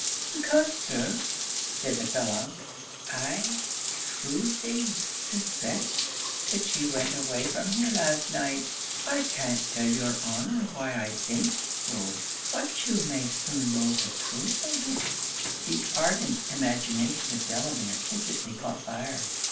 'Because, Sir,' said the fellow, 'I shrewdly suspect that she went away from here last night. I can't tell your Honour why I thinks so; but you may soon know the truth on't.' The ardent imagination of Delamere instantly caught fire.